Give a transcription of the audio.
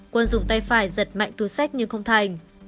quân dùng tay phải giật mạnh túi sách nhưng không thành